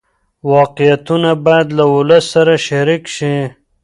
واقعیتونه باید له ولس سره شریک شي.